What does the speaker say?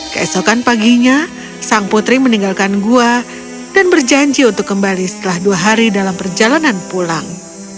keesokan paginya sang putri meninggalkan gua dan berjanji untuk kembali setelah dua hari dalam perjalanan pulang